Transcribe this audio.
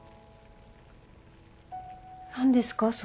何ですか？